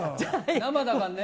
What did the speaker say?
生だからね。